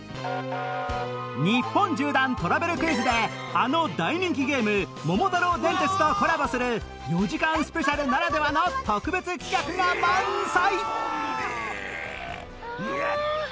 日本縦断トラベルクイズであの大人気ゲーム『桃太郎電鉄』とコラボする４時間スペシャルならではの特別企画が満載！